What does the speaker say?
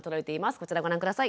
こちらご覧下さい。